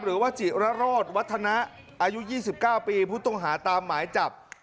หรือว่าจิรรโรธวัฒนะอายุยี่สิบเก้าปีพุทธตรงหาตามหมายจับ